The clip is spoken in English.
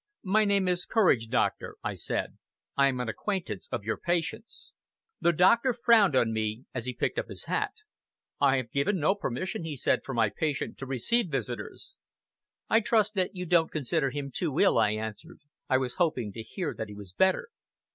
"My name is Courage, doctor," I said; "I am an acquaintance of your patient's." The doctor frowned on me as he picked up his hat. "I have given no permission," he said, "for my patient to receive visitors." "I trust that you don't consider him too ill," I answered. "I was hoping to hear that he was better!"